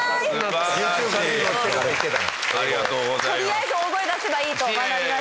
とりあえず大声出せばいいと学びました。